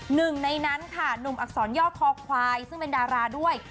หนึ่งในนั้นค่ะหนุ่มอักษรย่อคอควายซึ่งเป็นดาราด้วย